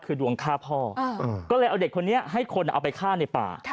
คือดวงฆ่าพ่อก็เลยเอาเด็กคนนี้ให้คนเอาไปฆ่าในป่า